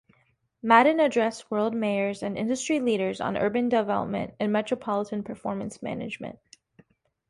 Madden addressed world mayors and industry leaders on urban development and Metropolitan Performance Management.